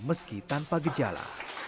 nah meski tanpa gejala